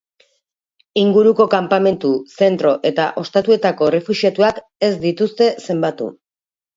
Inguruko kanpamentu, zentro eta ostatuetako errefuxiatuak ez dituzte zenbatu.